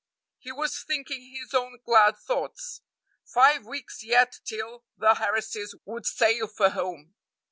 He was thinking his own glad thoughts. Five weeks yet till the Harrises would sail for home!